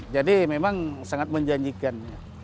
jadi memang sangat menjanjikan